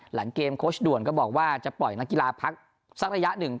หลังเกมโค้ชด่วนก็บอกว่าจะปล่อยนักกีฬาพักสักระยะหนึ่ง